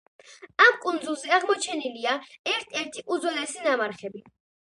ამ კუნძულზე აღმოჩენილია, ერთ-ერთი უძველესი ნამარხები.